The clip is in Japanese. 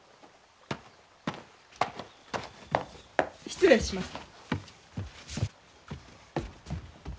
失礼します。